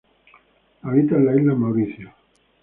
Habita en las islas Mauricio.